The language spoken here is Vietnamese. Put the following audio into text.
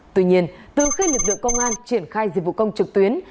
tuy nhiên từ khi lực lượng công an triển khai dịch vụ công trực tuyến